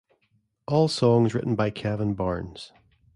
All songs written by Kevin Barnes.